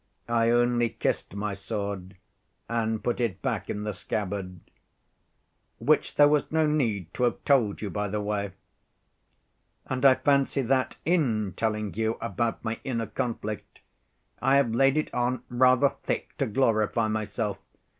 I only kissed my sword and put it back in the scabbard—which there was no need to have told you, by the way. And I fancy that in telling you about my inner conflict I have laid it on rather thick to glorify myself.